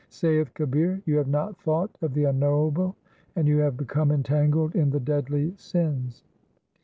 Saith Kabir, you have not thought of the Unknowable, and you have become entangled in the deadly sins.